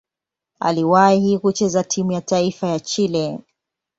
Aliwahi kucheza timu ya taifa ya Chile.